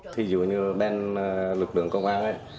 thí dụ như bên lực lượng công an ấy